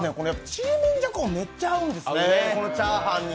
ちりめんじゃこ、めっちゃ合うんですね、チャーハンに。